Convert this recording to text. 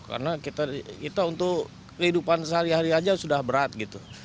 karena kita untuk kehidupan sehari hari aja sudah berat gitu